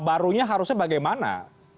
barunya harusnya bagaimana